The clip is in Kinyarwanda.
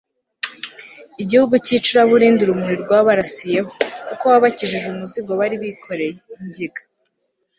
gihugu cy'icuraburindi urumuri rwabarasiyeho... kuko wabakijije umuzigo bari bikoreye, ingiga